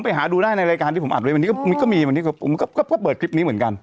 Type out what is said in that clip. ไปหาดูได้ในรายการที่ผมอัดไว้วันนี้ก็มีวันนี้ก็เปิดคลิปนี้เหมือนกัน